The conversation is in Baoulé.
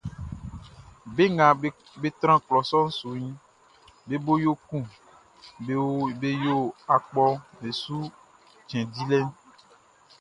Be nga be tran klɔ sɔʼn suʼn, be bo yo kun be yo akpɔʼm be su cɛn dilɛ.